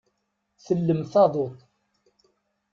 Tellem taḍuṭ.